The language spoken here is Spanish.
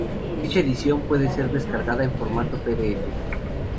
Dicha edición puede ser descargada en formato pdf.